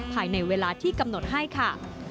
ภายในเวลาที่กำหนดให้ค่ะ